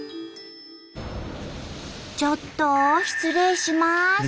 ちょっと失礼します！